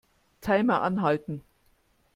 Timer anhalten.